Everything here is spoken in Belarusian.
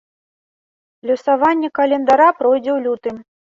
Лёсаванне календара пройдзе ў лютым.